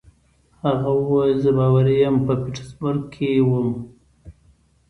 هغه وویل: زه باوري وم، په پیټسبرګ کې ووم.